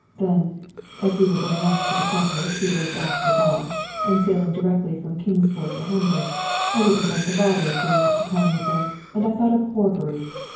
Then, as we were going off to the Continent two days after the ball, and sailing direct from Kingsport to Hamburg, I didn't want the bother of going up to town with them, and I thought of Horbury.